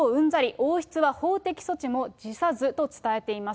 王室は法的措置も辞さずと伝えています。